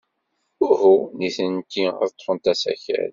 Uhu, nitenti ad ḍḍfent asakal.